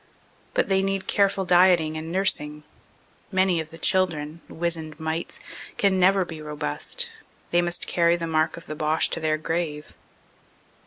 But they need careful dieting and nursing. Many of the children, wizened mites, can never be robust; they must carry the mark of the Boche to their grave.